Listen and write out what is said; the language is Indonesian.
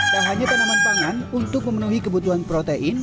tak hanya tanaman pangan untuk memenuhi kebutuhan protein